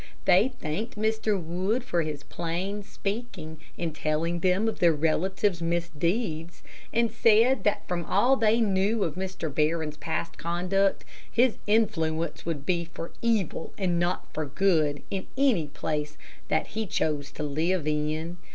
They thanked Mr. Wood for his plain speaking in telling them of their relative's misdeeds, and said that from all they knew of Mr. Barron's past conduct, his influence would be for evil and not for good, in any place that he choose to live in.